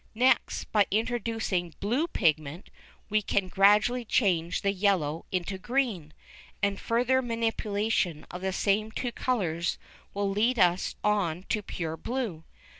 Next, by introducing blue pigment, we can gradually change the yellow into green, and further manipulation of the same two colours will lead us on to pure blue.